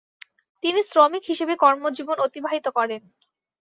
তিনি শ্রমিক হিসেবে কর্মজীবন অতিবাহিত করেন।